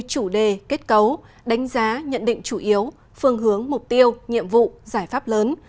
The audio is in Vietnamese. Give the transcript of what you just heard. chủ đề kết cấu đánh giá nhận định chủ yếu phương hướng mục tiêu nhiệm vụ giải pháp lớn